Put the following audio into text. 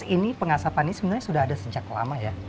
ini pengasapan ini sebenarnya sudah ada sejak lama ya